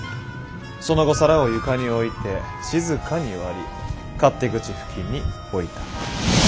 その後皿を床に置いて静かに割り勝手口付近に置いた。